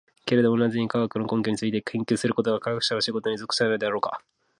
けれども何故に、科学の根拠について研究することが科学者の仕事に属しないのであろうか。